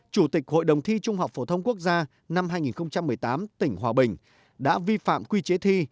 chủ tịch hội đồng thi trung học phổ thông quốc gia năm hai nghìn một mươi tám tỉnh hòa bình đã vi phạm quy chế thi